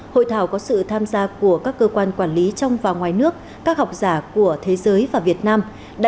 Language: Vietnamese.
hội thảo có sự tham gia của các cơ quan quản lý trong và ngoài nước các học giả của thế giới và việt nam